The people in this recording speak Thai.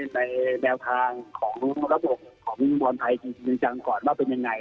ในแนวทางของระบบของบอลไทยจริงจังก่อนว่าเป็นยังไง